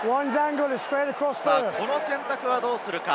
この選択はどうするか？